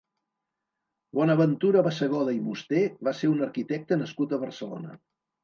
Bonaventura Bassegoda i Musté va ser un arquitecte nascut a Barcelona.